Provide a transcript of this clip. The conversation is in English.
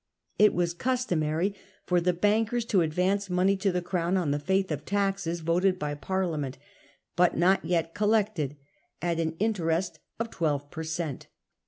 It was customary for the bankers to advance money to the Crown, on the faith of taxes voted by Parliament but not yet collected, at an interest of twelve per cent.